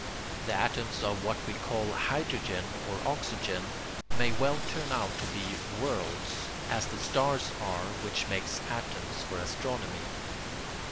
The atoms of what we call hydrogen or oxygen may well turn out to be worlds, as the stars are which make atoms for astronomy.